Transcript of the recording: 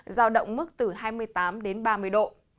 giao động mức từ hai mươi tám đến ba mươi độ